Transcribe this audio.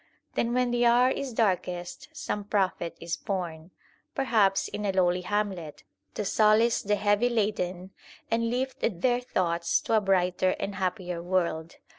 Then when the hour is darkest some prophet is born, perhaps in a lowly hamlet, to solace the heavy laden and lift their thoughts to a brighter and happier world.